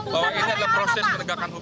bahwa ini adalah proses penegakan hukum